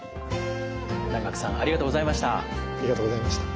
南學さんありがとうございました。